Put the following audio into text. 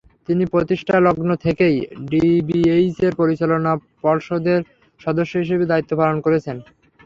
তিনি প্রতিষ্ঠালগ্ন থেকেই ডিবিএইচের পরিচালনা পর্ষদের সদস্য হিসেবে দায়িত্ব পালন করছেন।